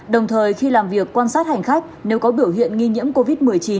đồng thời khi làm việc quan sát hành khách nếu có biểu hiện nghi nhiễm covid một mươi chín